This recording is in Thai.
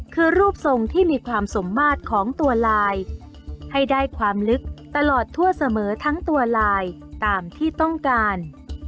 คือรูปทรงที่มีความสมมาตรของตัวลายให้ได้ความลึกตลอดทั่วเสมอทั้งตัวลายตามที่ต้องการ